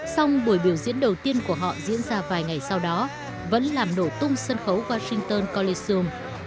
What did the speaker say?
xong buổi biểu diễn đầu tiên của họ diễn ra vài ngày sau đó vẫn làm nổ tung sân khấu washington coliseum